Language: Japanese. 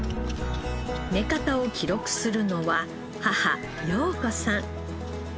目方を記録するのは母要子さん。